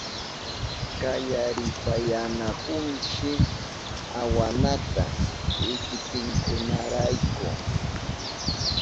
Kallaripayanahunshi awanata itipinkunarayku.